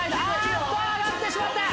上がってしまった！